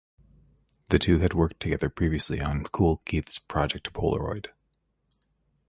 The two had worked together previously on Kool Keith's "Project Polaroid".